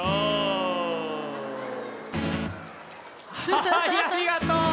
はいありがとう！